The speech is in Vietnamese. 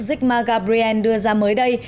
zygma gabriel đưa ra mới đây